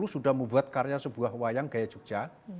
seribu delapan ratus tujuh puluh sudah membuat karya sebuah wayang gaya jogja